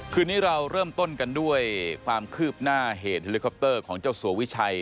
คืนนี้เราเริ่มต้นกันด้วยความคืบหน้าเหตุเฮลิคอปเตอร์ของเจ้าสัววิชัย